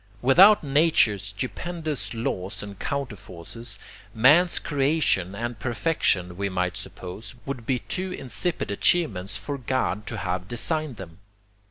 Without nature's stupendous laws and counterforces, man's creation and perfection, we might suppose, would be too insipid achievements for God to have designed them.